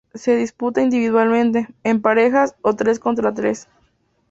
Se disputa individualmente, en parejas o tres contra tres.